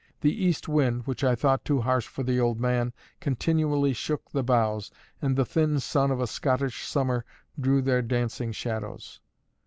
The east wind (which I thought too harsh for the old man) continually shook the boughs, and the thin sun of a Scottish summer drew their dancing shadows.